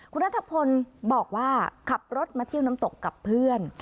คุณนัทพลบอกว่าขับรถมาเที่ยวน้ำตกกับเพื่อน